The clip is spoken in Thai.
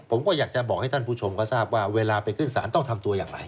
ผมก็อยากจะบอกให้ท่านผู้ชมก็ทราบว่าเวลาไปขึ้นศาลต้องทำตัวอย่างไร